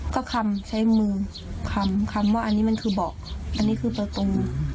ก็คำใช้มือคำคำว่าอันนี้มันคือเบาะอันนี้คือประตู